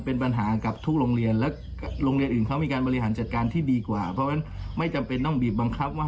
เพราะฉะนั้นไม่จำเป็นต้องบีบบังคับว่า